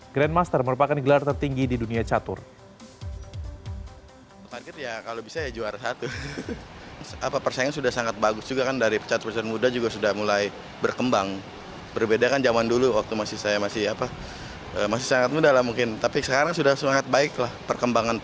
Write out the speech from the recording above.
grandmaster merupakan gelar tertinggi di dunia catur